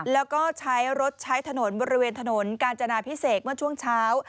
แล้วก็ใช้รถใช้ถนนบริเวณถนนกาญจนาพิเศษเมื่อช่วงเช้า